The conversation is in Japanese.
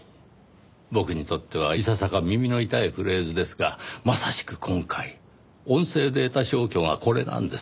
僕にとってはいささか耳の痛いフレーズですがまさしく今回音声データ消去がこれなんです。